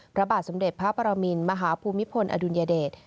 พระบาทสมเด็จพระปรมินมหาภูมิพลอดุลยเดช